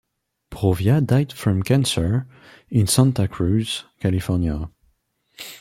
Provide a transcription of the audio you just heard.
Brovia died from cancer in Santa Cruz, California.